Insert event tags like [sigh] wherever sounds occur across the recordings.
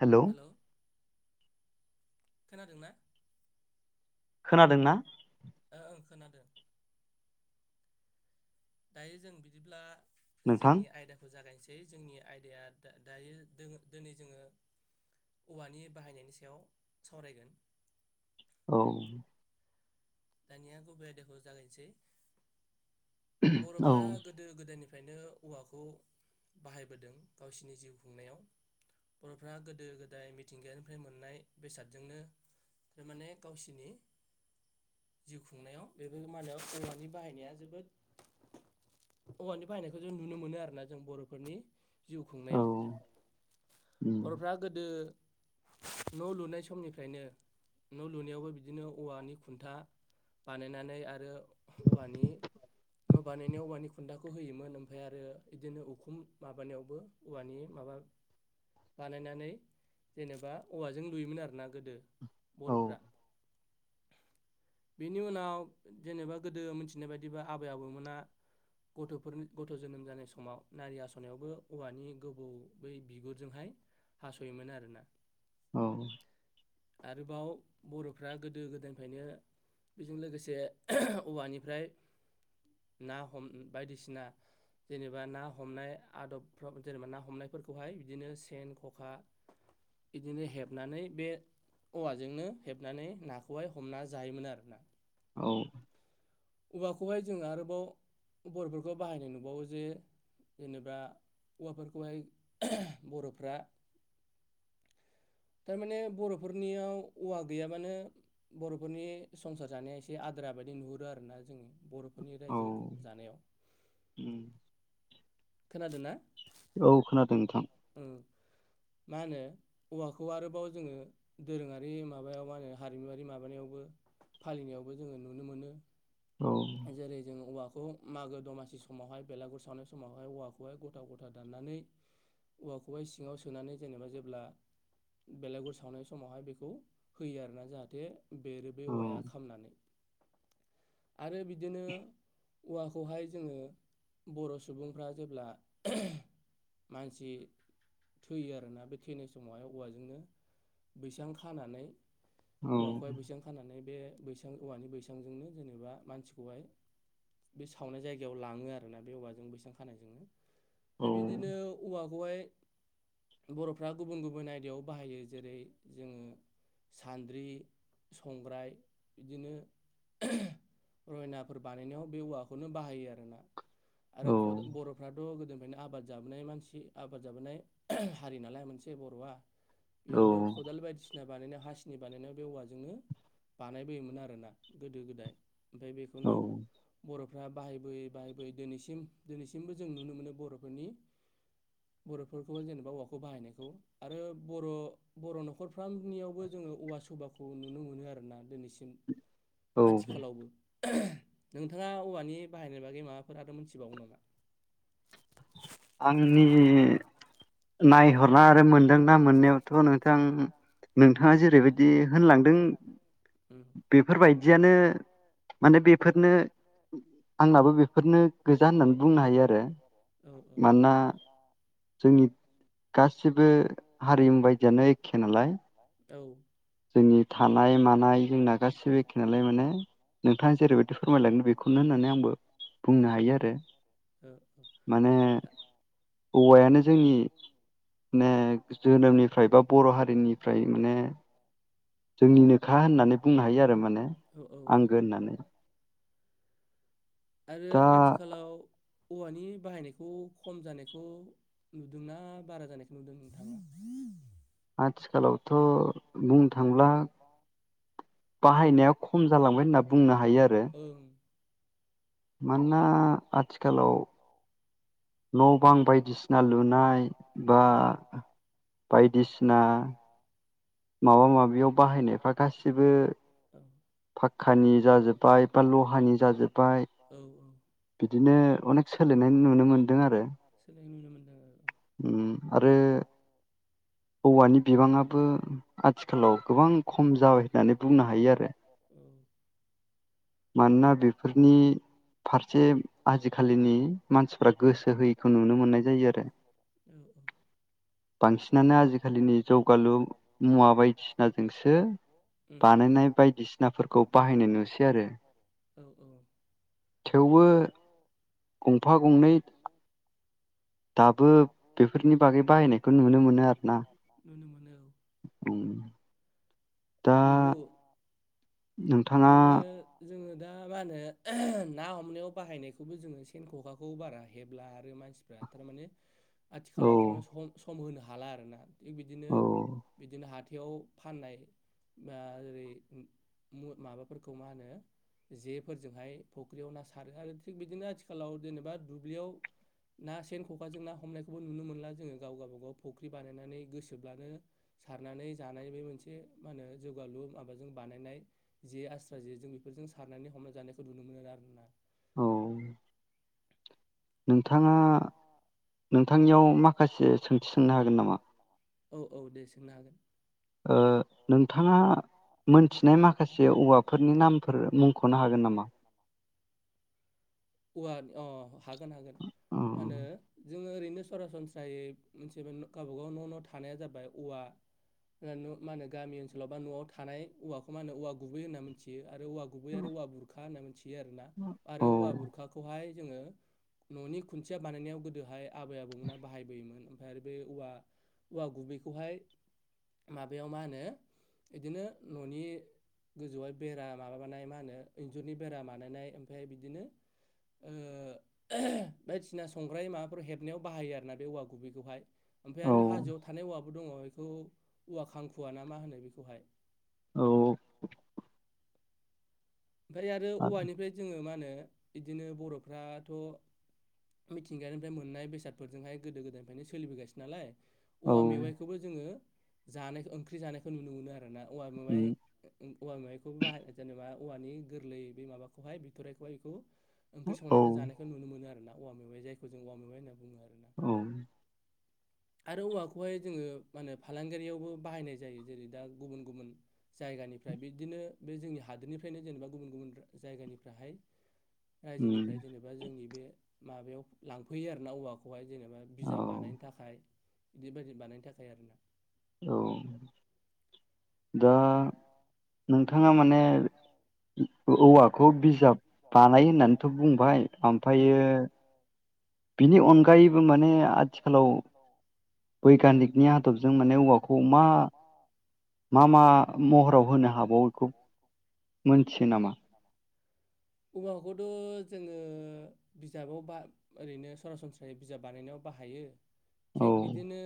Hello खोनादोंना खोनादोंना ओ ओं खोनादों दायो जों बिदिब्ला जोंनि आयदाखौ जागायनोसै जोंनि आयदाया दायो दिनै-दिनै जोंङो औवानि बाहायनायनि सायाव सावरायगोन। औ दानिया बबे आयदाखौ जागायनिसै बर'फ्रा गोदो गोदायनि फ्रायनो औवाखौ बाहायबोदों गावसोरनि जिउ खुंनायाव बर'फ्रा गोदो गोदाय मिथिंगायानिफ्राय मोननाय बेसादजोंनो थारमाने गावसिनि जिउ खुंनायाव बेबो मा होनो औवानि बाहायनाया जोबोद औवानि बाहायनायखौ जों नुनो मोनो आरोना जों बर'फोरनि जिउ खुंनायाव बर'फ्रा गोदो न'लुनाय समनिफ्रायनो न' लुनायावबो बिदिनो औवानि खुन्था बानायनानै आरो औवानि न' बानायनायाव औवानि खुन्थाखौ होयोमोन ओमफ्राय आरो बिदिनो उखुम माबानायावबो औवानि माबा बानायनानै जेनेबा औवाजों लुयोमोन आरोना गोदो। बर'फ्रा बेनि उनाव जेनेबा गोदो मिथिनाय बायदिबा आबै आबौमोना गथ'फोरनि गथ' जोनोम जानाय समाव नारि हास'नायावबो औवानि गोबौ बै बिगुरजोंहाय हास'योमोन आरोना। औ आरोबाव बर'फ्रा गो दो गोदोनिफ्रायनो बेजों लोगोसे औवानिफ्राय ना हम बायदिसिना जेनेबा ना हमनाय आदबफ्राव जेनेबा ना हमनायफोरखौहाय बिदिनो सेन खखा बिदिनो हेबनानै बे औवाजोंनो हेबनानै ना खौहाय हमना जायोमोन आरोना। औ औवाखौहाय जों आरोबाव बर'फोरखौ बाहायनाय नुबावो जे जेनेबा औवाफोरखौहाय बर'फ्रा थारमाने बर'फोरनियाव औवा गैयाबानो बर'फोरनि संसार जानाया एसे आद्रा बायदि नुहुरो आरोना जोंङो बर' नि रायजो जानायाव। खोनादों ना औ खोनादों नोंथां अम मा होनो औवाखौ आरोबाव जोंङो दोरोंङारि माबायाव मा होनो हारिमुवारि माबानायावबो फालिनायावबो जोंङो नुनो मोनो। जेरै जों औवा खौ मागो दमासि समावहाय बेलागुर सावनाय समावहाय औवाखौहाय गथा-गथा दाननानै औवाखौहाय सिङाव सोनानै जेनेबा जेब्ला बेलागुर सावनाय समावहाय बेखौ होयो आरोना जाहाथे बेरो बे औवाया खामनानै आरो बिदिनो औवाखौहाय जोंङो बर' सुबुंफ्रा जेब्ला मानसि थैयो आरोना बे थैनाय समावहाय औवाजोंनो बैसां खानानै औवाखौहाय बैसां खानानै बे बै औवानि बैसांजोंनो जेनेबा मानसिखौहाय बे सावनाय जायगायाव लांङो आरोना बे औवाजों बैसां खानायजोंनो ओमफ्राय बिदिनो औवाखौहाय बर'फ्रा गुबुन-गुबुन आयदायाव बाहायो जेरै जोंङो सान्द्रि संग्राय बिदिनो रयनाफोर बानायनायाव बे औवाखौनो बाहायो आरो ना। आरो बर'फ्राथ' गोदो आबाद जाबोनाय मानसि आबाद जाबोनाय हारि नालाय मोनसे बर'आ बेयावबो खदाल बायदि सिना बानायनायाव हासिनि बानायनायाव बे औवाजोंनो बानायबोयोमोन आरोना गोदो गोदाय। ओमफ्राय बेखौनो बर'फ्रा बाहायबोयै बाहायबोयै दिनैसिम दिनैसिमबो जों नुनो मोनो बर'फोरनि बर'फोरखौबो जेनेबा औवाखौ बाहायनायखौ आरो बर' बर' न'खरफ्रामनियावबो जोङो औवा सुबाखौ नुनो मोनो आरोना दिनैसिम। आथिखालावबो [inaudible] नोंथाङा औवानि बाहायनाय बागै माबाफोर आरो मोनथिबावो नामा? आंनि नायहरा आरो मोनदोंना मोननायावथ' नोंथां नोंथाङा जेरैबायदि होनलांदों बेफोरबायदियानो माने बेफोरनो आंनाबो बेफोरनो गोजा होननानै बुंनो हायो आरो। [unintelligible] जोंनि गासिबो हारिमु बायदियानो एखे नालाय जोंनि थानाय मानाय जोंना गासिबो एखे नालाय माने नोंथाङा जेरैबायदि फोरमायलांगोन बेखौनो होननानै आंबो बुंनो हायो आरो माने औवायानो जोंनि माने जोनोमनिफ्राय बा बर' हारिनिफ्राय माने जोंनिनोखा होननानै बुंनो हायो आरो माने आंगो होननानै। आरो आथिखालाव औवानि बाहायनायखौ खम जानायखौ नुदोंना बारा जानायखौ नुदों नोंथाङा? आथिखालावथ' बुं थांब्ला बाहायनाया खम जालांबाय होनना बुंनो हायो आरो मानोना आथिखालाव न' बां बायदिसिना लुनाय बा बायदिसिना माबा माबियाव बाहायनायफ्रा गासिबो फाखक्कानि जाजोब्बाय बा लहानि जाजोब्बाय बिदिनो अनेख सोलायनाय नुनो मोनदों आरो। जाय नुनो मोन्दों ओम आरो औवानि बिबांआबो आथिखालाव गोबां खम जाबाय होननानै बुंनो हायो आरो। मानोना बेफोरनि फारसे आजि आजिखालिनि मानसिफ्रा गोसो होयैखौ नुनो मोननाय जायो आरो बांसिनानो आजिखालिनि जौगालु मुवा बायदिसिनाजोंसो बानायनाय बायदिसिनाफोरखौ बाहायनाय नुसै आरो। औ औ। थेवबो गंफा गंनै दाबो बेफोरनि बागै बाहायनायखौ नुनो मोनो आरो ना। नोंगौ। बिदिनो जोङो दा मा होनो ना हमनायाव बाहायनायखौबो जोङो सेन ख'खाखौ बारा हेबला आरो मानसिफ्रा थारमाने आथि खालाव थारमाने सम सम होनो हाला आरो ना थिग बिदिनो-बिदिनो हार बेयाव फाननाय बा ओरै मुर माबाफोरखौ मा होनो जेफोरजोंहाय फुख्रियाव ना सारो आरो थिग बिदिनो आथिखालाव जेनेबा दुब्लियाव ना सेन खखाजों ना हमनायखौबो नुनो मोनला जोङो गाव गावबागाव फख्रि बानायनानै गोसोब्लानो सारनानै जानाय बे मोनसे मा होनो जौगालु माबाजों बानायनाय जे आस्रा जे जों बेफोरजों सारनानै हमना जानायखौ नुनो मोनो आरो ना औ नों नोंथाङा नोंथांनियाव माखासे सोंथि सोंनो हागोन नामा ओ नोंथाङा मोनथिनाय माखासे औवाफोरनि नामफोर मुंख'नो हागोन नामा औवा अ हागोन-हागोन मा होनो जोङो ओरैनो सरासनस्रायै मोनसे मोन गावबा गाव न' न' थानाया जाबाय औवा मा होनो गामि ओनसोलाव बा न'आव थानाय औवाखौ मा होनो औवा गुबै होनना मोन्थियो आरो औवा गुबै आरो औवा बुरखा होनना यो आरो ना आरो औवा बुरखाखौहाय जोङो न'नि खुन्थिया बानायनायाव गोदोहाय आबै आबौमोना बाहायबोयोमोन ओमफ्राय आरो बे औवा-औवा गुबैखौहाय माबायाव मा होनो बिदिनो न'नि गोजौहाय बेरा माबाबानाय मा होनो इन्जुरनि बेरा बानायनाय ओमफ्राय बिदिनो ओ बायदिसिना संग्राय माबाफोर हेबनायाव बाहायो आर ना बे औवा गुबैखौहाय ओमफ्राय आरो हाजोआव थानाय औवाबो दङ बेखौ औवा खांखुवा ना मा होनो बेखौहाय औ ओमफ्राय आरो औवानिफ्राय जोङो मा होनो बिदिनो बर'फ्राथ' मिथिंगानिफ्राय मोननाय बेसादफोरजोंहाय गोदो गोदायनिफ्रायनो सोलिबोगासिनो नालाय औवा मेवाइखौबो जोङो जानायखो ओंख्रि जानायखौ नुनो मोनो आरो ना औवा मेवाय अम औवा मेवायखौबो बाहाय जेनेबा औवानि गोरलै बे माबाखौहाय बिथराइखौहाय इखौ ओंख्रि संनायखौ जानायखौ नुनो मोनो आरो ना। औवा मेवाय जायखौ जों औवा मेवाय होनना बुङो आरो ना। आरो औवाखौहाय जोङो मा होनो फालांगारियावबो बाहायनाय जायो जेरै दा गुबुन- गुबुन जायगानिफ्राय बिदिनो बे जोंनि हादोरनि फ्रायनो जेनेबा गुबुन -गुबुन जायगानिफ्राय हाय रायजोनिफ्राय जेनेबा जोंनि बे माबायाव लांफैयो आरो ना औवाखौहाय जेनेबा बिजाब बानायनो थाखाय बिबायदि बानायनो थाखाय आरो ना। औ दा नोंथाङा माने औवाखौ बिजाब बानायो होननानैथ' बुंबाय ओमफायो बिनि अनगायैबो माने आथिखालाव बैगानिकनि आदबजों माने औवाखौ मा मा मा महराव होनो हाबावो इखौ मोनथिगो नामा। औवाखौथ' जोङो बिजाबाव बा ओरैनो सरासनस्रायै बिजाब बानायनायाव बाहायो। थिक बिदिनो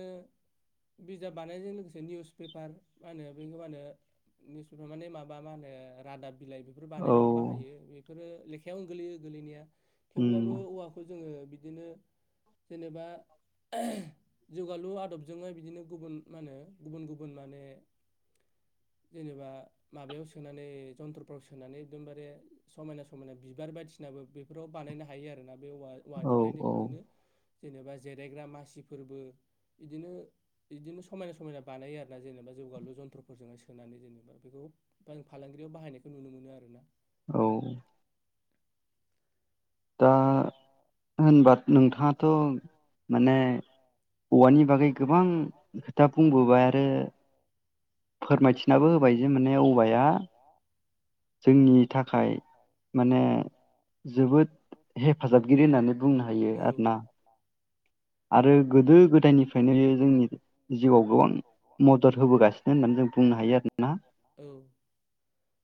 बिजाब बानायजों लोगोसे निउस पेपार मा होनो बे मा होनो निउस पेपार माने मा होनो रादाब बिलाइ बेफोर बानायनायाव बाहायो बे बेफोरो लेखायावनो गोलैयो गोलैनाया। थेवब्लाबो औवाखौ जोङो बि बिदिनो जेनेबा जौगालु आदबजों बिदिनो गुबुन मा होनो गुबुन गुबुन माने जेनेबा माबायाव सोनानै जन्थ्रफ्राव सोनानै एकदमबारे समायना समायना बिबार बायदिसिनाबो बेफोराव बानायनो हायो आरोना। बे औवा औवानिफ्रायनो बिदिनो जेनेबा जिरायग्रा मासिफोरबो बिदिनो बिदिनो समायना समायना बानायो आरोना जेनेबा जौगालु जन्थ्रफोरजोंहाय सोनानै जेनेबा बेखौ फालांगियाव बाहायनायखौ नुनो मोनो आरोना। औ दा होनबा नोंथाङाथ' माने औवानि बागै गोबां खोथा बुंबोबाय आरो फोरमायथिनाबो होबाय जे माने औवाया जोंनि थाखाय माने जोबोद हेफाजाबगिरि होननानै बुंनो हायो। बियो आरोना। आरो गोदो गोदायनिफ्रायनो जोंनि जिउआव गोबां मदद होबोगासिनो होननानै जों बुंनो हायो आरोना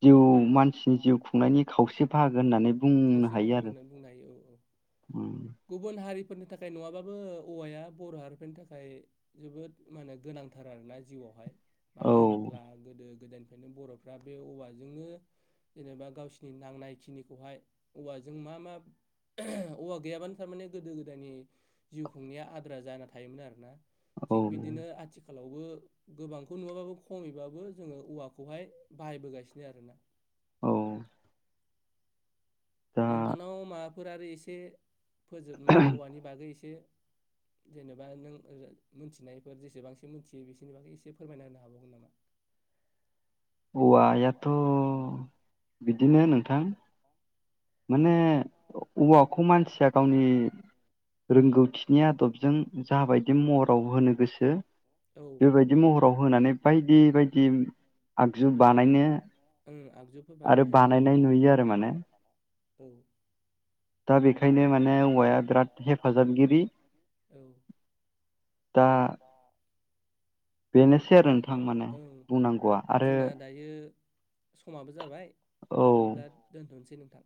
जिउ मानसिनि जिउ खुंनायनि खावसे बाहागो होननानै बुंनो हायो आरो उम गुबुन हारिफोरनि थाखाय नङाबाबो औवाया बर' हारिफोरनि थाखाय जोबोद माने गोनांथार आरोना जिउआवहाय। मानो होनोब्ला गोदो गोदोइनि ओंखायनो बर'फ्रा बे औवाजोंनो जेनेबा गावसिनि नांनाय खिनिखौहाय औवाजों मा मा औवा गैयाबानो थारमाने गोदो गोदायनि जिउ खुंनाया आद्रा जाना थायोमोन आरो ना थिग बिदिनो आथिखाल आथिखालावबो गोबांखौ नुवाबाबो खमैबाबो जोङो औवाखौहाय बाहायबोगासिनो आरोना औ नोंथांनाव मा फोर आरो एसे फोजोब नानो औवानि बागै एसे जेनेबा नों ओ मिनथिनायफोर जेसेबांसो मोनथियो बिसोरनि बागै एसे फोरमायना होनो हाबावगोन नामा औवायाथ' बि दिनो नोंथां। माने औ औ ओं आगजुफोर बानायनो हायो। औ। औ। दा ओं जोंना दायो समाबो जाबाय बिदिब्ला दोनथ'नोसै नोंथां।